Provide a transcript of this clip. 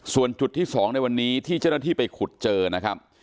ส่วนจุดที่๒ในวันนี้ที่เจ้าหน้าที่ไปขุดเจอนะครับ